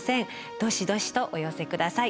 どしどしとお寄せ下さい。